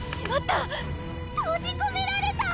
とじこめられた！